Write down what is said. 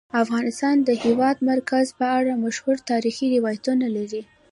افغانستان د د هېواد مرکز په اړه مشهور تاریخی روایتونه لري.